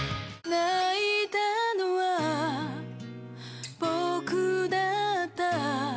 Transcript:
泣いたのは僕だった